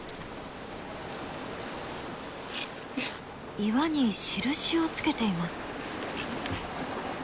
岩に印をつけています。